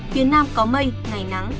phía nam có mây ngày nắng